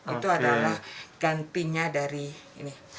itu adalah gantinya dari ini